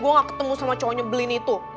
gue gak ketemu sama cowoknya belin itu